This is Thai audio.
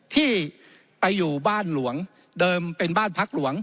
ที่ไปอยู่บ้านหลวงเดิมเป็นบ้านพักหลวง